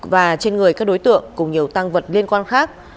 và trên người các đối tượng cùng nhiều tăng vật liên quan khác